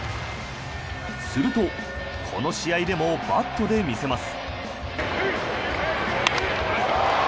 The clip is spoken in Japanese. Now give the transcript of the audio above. すると、この試合でもバットで見せます。